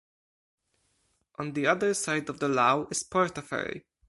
On the other side of the lough is Portaferry.